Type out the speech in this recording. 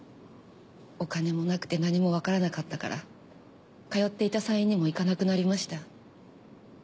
お金もなくて何もわからなかったから通っていた産院にも行かなくなりました。